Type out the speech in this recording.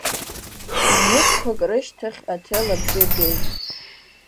Минуҭқәак рышьҭахь аҭел абжьы геит.